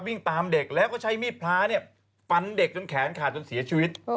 วิ่งตามเด็กแล้วก็ใช้มีดพระเนี่ยฟันเด็กจนแขนขาดจนเสียชีวิต